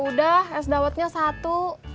ya udah es dawatnya satu